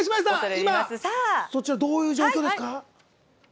今、そちらはどういう状況ですか。